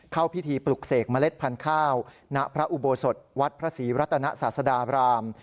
เข้าพิธีปลุกเสกเมล็ดพันธุ์ข้าวณพระอุโบสถวัดพระศรีรัตนศาสดาบราม